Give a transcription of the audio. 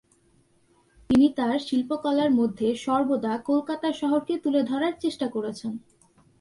তিনি তার শিল্পকলার মধ্যে সর্বদা কলকাতা শহরকে তুলে ধরার চেষ্টা করেছেন।